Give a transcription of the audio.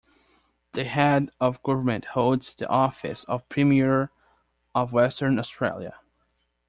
The head of government holds the office of Premier of Western Australia.